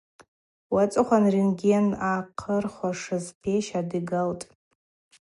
Уацӏыхъван рентген ъахъырхуашыз пещ адигалтӏ.